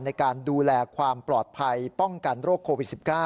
ในการดูแลความปลอดภัยป้องกันโรคโควิด๑๙